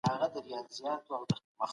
کندهاري زرګران کوم ډول ګاڼې جوړوي؟